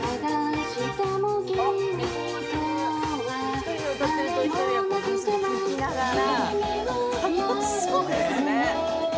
１人が歌っていると１人は聴きながら。